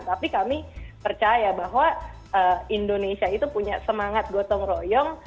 tapi kami percaya bahwa indonesia itu punya semangat gotong royong